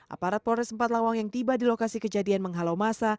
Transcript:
aparat polres empat lawang yang tiba di lokasi kejadian menghalau masa